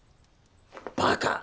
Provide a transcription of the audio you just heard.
バカ！